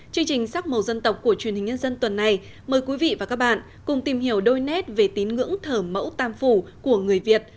chương trình sắc màu dân tộc của truyền hình nhân dân tuần này mời quý vị và các bạn cùng tìm hiểu đôi nét về tín ngưỡng thờ mẫu tam phủ của người việt